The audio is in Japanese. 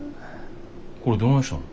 これどないしたん？